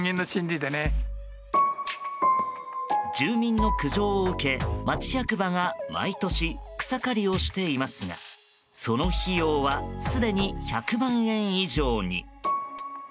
住民の苦情を受け、町役場が毎年、草刈りをしていますがその費用はすでに１００万円以上に。